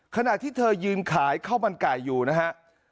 ขณะที่เธอยืนขายข้าวมันไก่อยู่นะฮะ